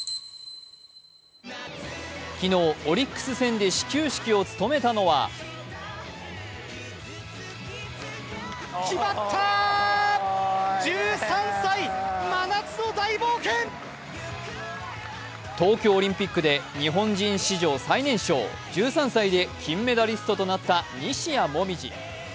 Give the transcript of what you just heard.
昨日、オリックス戦で始球式を務めたのは東京オリンピックで日本人史上最年少、１３歳で金メダリストとなった西矢椛。